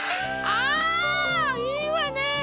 あいいわね！